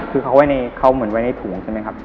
คือเขาเหมือนไว้ในถุงใช่ไหมครับ